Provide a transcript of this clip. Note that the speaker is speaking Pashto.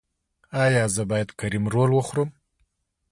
ایا زه باید کریم رول وخورم؟